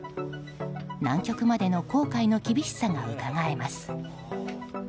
南極までの航海の厳しさがうかがえます。